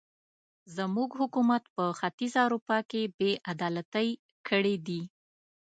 زموږ حکومت په ختیځه اروپا کې بې عدالتۍ کړې دي.